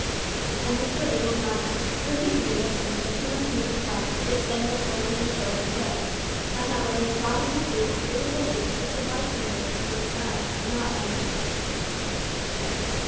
And Mr. Abel nodded, for he knew that when the Papuans mean to fight they send their women and children away; and that when they saw Mrs. Abel they would believe that the white people came as friends and not enemies.